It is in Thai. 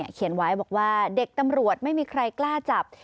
เขียนไว้บอกว่าเด็กตำรวจไม่มีใครกล้าจับ